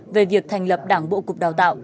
về việc thành lập đảng bộ cục đào tạo